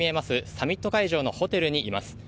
サミット会場のホテルにいます。